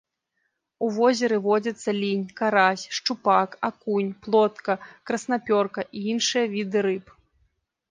У возеры водзяцца лінь, карась, шчупак, акунь, плотка, краснапёрка і іншыя віды рыб.